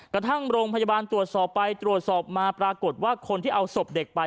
กระทั่งโรงพยาบาลตรวจสอบไปตรวจสอบมาปรากฏว่าคนที่เอาศพเด็กไป